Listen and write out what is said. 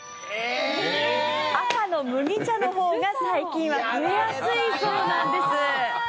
赤の麦茶のほうが細菌は増えやすいそうなんです。